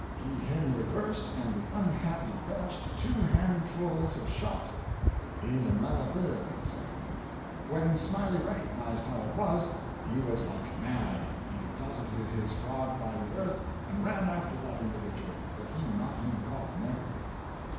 He him reversed and the unhappy belched two handfuls of shot (et le malheureux, etc.). When Smiley recognised how it was, he was like mad. He deposited his frog by the earth and ran after that individual, but he not him caught never.